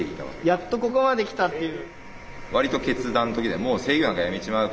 やっとここまできたっていう。